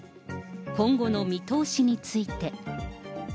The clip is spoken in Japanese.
今後の見通しについて。